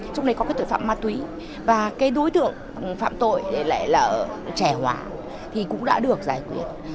trong đấy có cái tội phạm ma túy và cái đối tượng phạm tội lại là trẻ hóa thì cũng đã được giải quyết